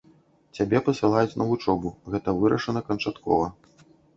Цябе пасылаюць на вучобу, гэта вырашана канчаткова.